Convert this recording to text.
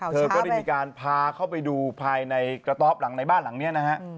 เธอก็ได้มีการพาเข้าไปดูภายในกระต๊อบหลังในบ้านหลังนี้นะฮะ